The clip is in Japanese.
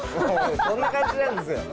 こんな感じなんですよ。